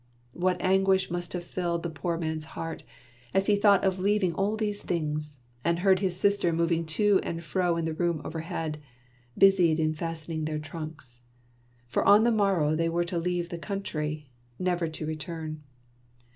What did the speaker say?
What anguish must have filled the poor man's heart, as he thought of leaving all these things, and heard his sister moving to and fro in the room overhead, busied in fastening their trunks ! For on the mor row they were to leave the country, never to return.